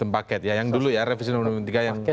paket dan pemilihan